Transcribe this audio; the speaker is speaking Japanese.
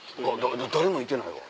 誰もいてないわ。